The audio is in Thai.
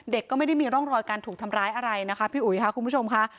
ก็ไม่ได้มีร่องรอยการถูกทำร้ายอะไรนะคะพี่อุ๋ยค่ะคุณผู้ชมค่ะ